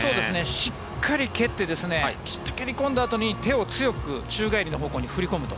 しっかり蹴ってしっかり蹴りこんだあとに手を強く宙返りの方向に振り込むと。